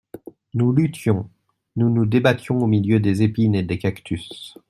Nous luttions, nous nous débattions au milieu des épines et des cactus.